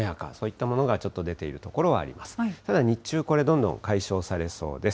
ただ日中、これ、どんどん解消されそうです。